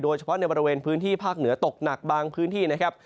โดยเฉพาะในบริเวณพื้นที่ภาคเหนือตกหนักบางพื้นที่นะครับ